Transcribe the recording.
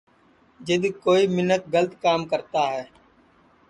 جِد کوئی مینکھ گلت کام کرتا ہے